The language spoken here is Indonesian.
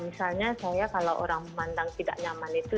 misalnya saya kalau orang memandang tidak nyaman itu